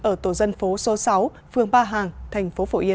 ở tổ dân phố số sáu phường ba hàng thành phố phổ yên